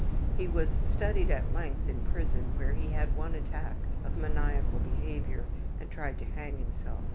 He was studied at length in prison where he had one attack of maniacal behavior and tried to hang himself.